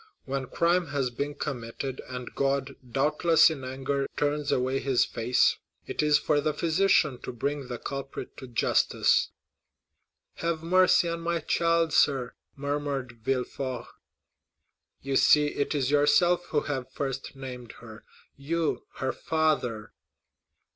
When crime has been committed, and God, doubtless in anger, turns away his face, it is for the physician to bring the culprit to justice." 40122m "Have mercy on my child, sir," murmured Villefort. "You see it is yourself who have first named her—you, her father."